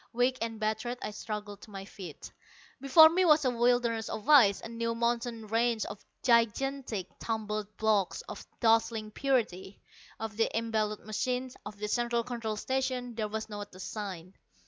Weak and battered, I struggled to my feet. Before me was a wilderness of ice, a new mountain range of gigantic tumbled blocks of dazzling purity. Of the embattled machines, of the Central Control Station, there was not a sign.